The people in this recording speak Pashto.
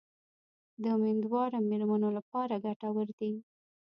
د امیندواره میرمنو لپاره ګټور دي.